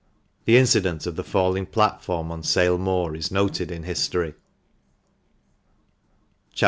The incident of the falling platform on Sale Moor is noted in history. CHAP.